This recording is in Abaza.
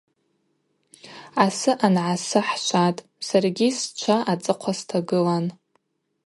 Асы ангӏасы хӏшватӏ, саргьи счва ацӏыхъва стагылан.